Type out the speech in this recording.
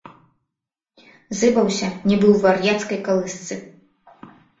Зыбаўся, нібы ў вар'яцкай калысцы.